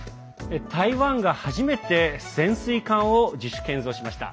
台湾が初めて潜水艦を自主建造しました。